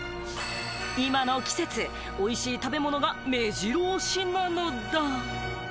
今の季節、おいしい食べ物がめじろ押しなのだ。